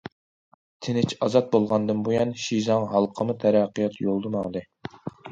تىنچ ئازاد بولغاندىن بۇيان، شىزاڭ ھالقىما تەرەققىيات يولىدا ماڭدى.